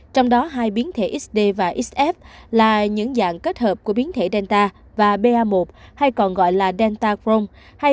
trong đó hai biến thể xd và xf là những dạng kết hợp của biến thể delta và ba một hay còn gọi là delta crohn